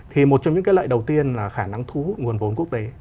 thì một trong những cái lợi đầu tiên là khả năng thu hút nguồn vốn quốc tế